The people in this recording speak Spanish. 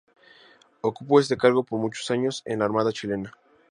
Ocupó este cargo por muchos años en la armada chilena.